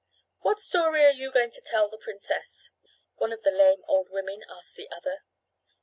"What story are you going to tell the princess?" one of the lame old women asked the other.